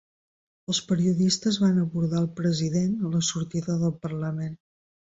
Els periodistes van abordar el president a la sortida del Parlament.